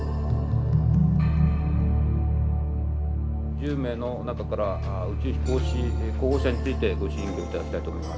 １０名の中から宇宙飛行士候補者についてご審議を頂きたいと思います。